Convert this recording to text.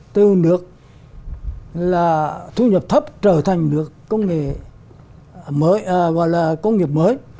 từ nước là thu nhập thấp trở thành nước công nghệ mới gọi là công nghiệp mới